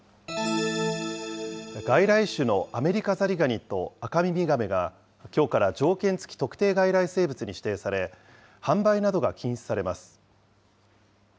外来種のアメリカザリガニとアカミミガメがきょうから条件付特定外来生物に指定され、販売などが禁止されます。